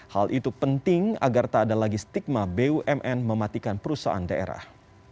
hal itu penting agar tak ada lagi stigma bumn mematikan perusahaan daerah